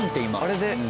あれで。